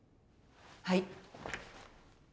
はい。